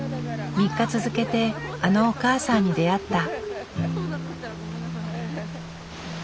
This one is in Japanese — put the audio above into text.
３日続けてあのおかあさんに出会った。